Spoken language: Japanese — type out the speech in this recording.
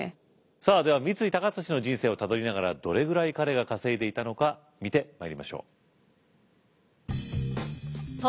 さあでは三井高利の人生をたどりながらどれぐらい彼が稼いでいたのか見てまいりましょう。